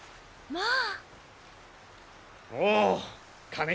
まあ！